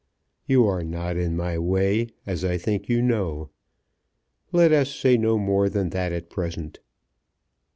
"You are not in my way, as I think you know. Let us say no more than that at present.